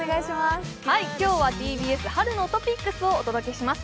今日はＴＢＳ春のトピックスをお届けします。